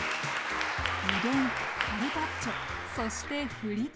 うどんカルパッチョそしてフリット。